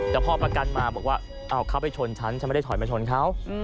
แต่พอประกันมาบอกว่าเขาไปชนฉันฉันไม่ได้ถอยมาชนเขา